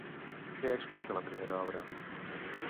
Què explica la primera obra?